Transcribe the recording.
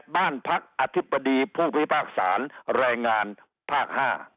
บ้านพักอธิบดีผู้พิพากษาแรงงานภาค๕